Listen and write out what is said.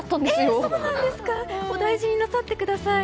お大事になさってください。